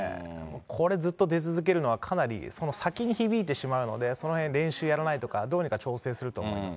これ、ずっと出続けるのは、かなりその先に響いてしまうので、そのへん、練習やらないとか、どうにか調整すると思います。